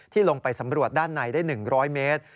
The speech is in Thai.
ลงไปสำรวจด้านในได้๑๐๐เมตร